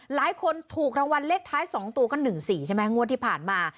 หลายคนถูกรางวัลเลขท้าย๒ตัวก็๑๔ใช่ไหมงวดที่ผ่านมา